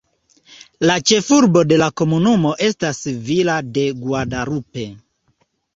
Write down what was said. La ĉefurbo de la komunumo estas Villa de Guadalupe.